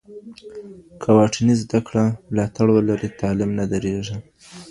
که واټني زده کړه ملاتړ ولري، تعلیم نه درېږي.